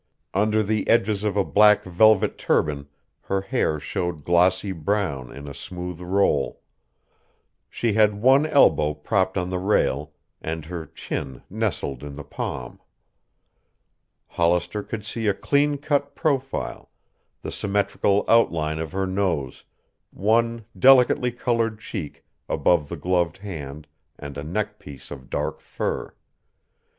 Under the edges of a black velvet turban her hair showed glossy brown in a smooth roll. She had one elbow propped on the rail and her chin nestled in the palm. Hollister could see a clean cut profile, the symmetrical outline of her nose, one delicately colored cheek above the gloved hand and a neckpiece of dark fur.